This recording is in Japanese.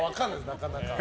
なかなか。